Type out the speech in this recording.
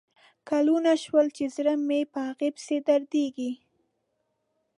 کلونه شول چې زړه مې په هغه پسې درزیږي